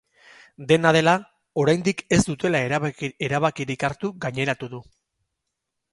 Dena dela, oraindik ez dutela erabakirik hartu gaineratu du.